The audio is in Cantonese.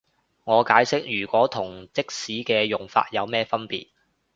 我解釋如果同即使嘅用法有咩分別